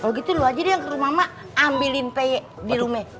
kalo gitu lo aja deh yang ke rumah mama ambilin pe di rumah